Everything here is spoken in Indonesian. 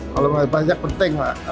kalau mau pajak penting